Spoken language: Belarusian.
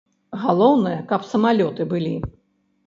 Галоўнае, каб самалёты былі.